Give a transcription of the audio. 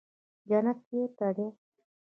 جنت چېرته دى.